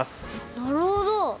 なるほど。